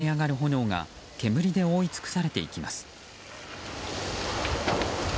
屋根から燃え上がる炎が煙で覆い尽くされていきます。